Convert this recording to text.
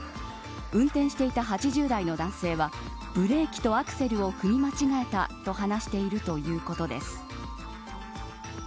運転していた８０代の男性はブレーキとアクセルを踏み間違えたと話しているということです。